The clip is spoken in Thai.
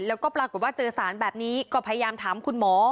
แล้วก็ปรากฏว่าเจอสารแบบนี้ก็พยายามถามคุณหมอ